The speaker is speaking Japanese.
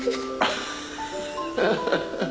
ハハハハ。